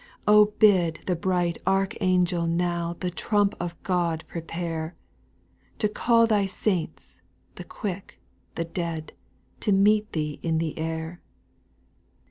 8. bid the bright archangel now The trump of God prepare, To call Thy saints — the quick, the dead, To meet Thee in the air.